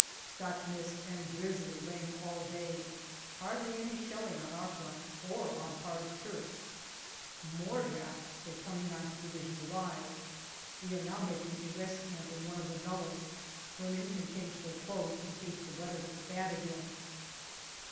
Scotch mist and drizzly rain all day. Hardly any shelling on our front or on part of Turks. More drafts for 2Qth Division arrive. We are now making a rest camp in one of the nullahs, where men can change their clothes in case the weather gets bad again.